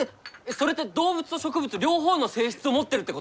それって動物と植物両方の性質を持ってるってこと？